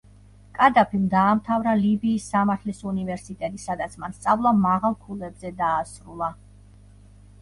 კადაფიმ დაამთავრა ლიბიის სამართლის უნივერსიტეტი, სადაც მან სწავლა მაღალ ქულებზე დაასრულა.